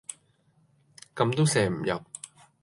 咁都射唔入